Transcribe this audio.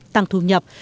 tăng thu nhập